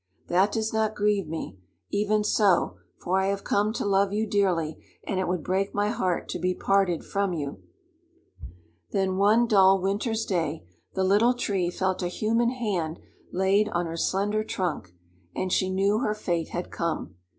That does not grieve me, even so, for I have come to love you dearly, and it would break my heart to be parted from you." Then one dull winter's day, the Little Tree felt a human hand laid on her slender trunk, and she knew her fate had come.